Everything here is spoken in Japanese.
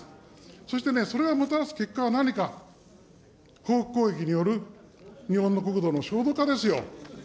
そしてね、それがもたらす結果は何か、報復攻撃による日本の国土の焦土化ですよ。